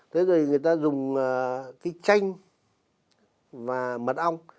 thế rồi người ta dùng cái chanh và mật ong